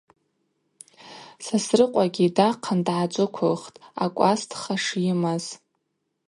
Сосрыкъвагьи дахъын дгӏаджвыквылхтӏ акӏвастха шйымаз.